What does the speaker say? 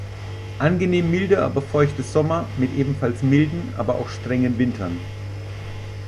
Angenehm milde aber feuchte Sommer mit ebenfalls milden, aber auch strengen Wintern.